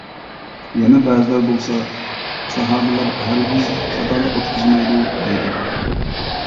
يەنە بەزىلەر بولسا «ساھابىلەر ھەرگىز خاتالىق ئۆتكۈزمەيدۇ» ، دەيدۇ.